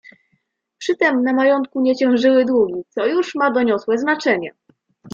"Przy tem na majątku nie ciążyły długi, co już ma doniosłe znaczenie."